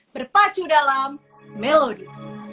berpacu dalam melodi